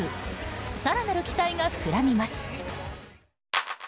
更なる期待が膨らみます。